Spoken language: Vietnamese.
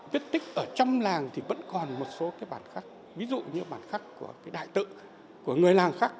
biết tích ở trong làng thì vẫn còn một số cái bản khác ví dụ như bản khác của cái đại tự của người làng khác